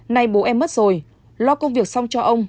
nay bố em mất rồi lo công việc xong cho ông